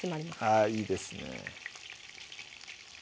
あぁいいですね